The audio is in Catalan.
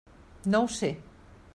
No ho sé.